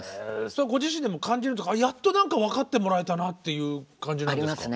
それはご自身でも感じるというかやっと分かってもらえたなっていう感じなんですか？